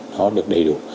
nó được đầy đủ